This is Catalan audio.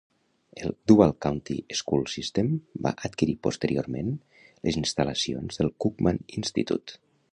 El "Duval County School System" va adquirir posteriorment les instal·lacions del "Cookman Institute".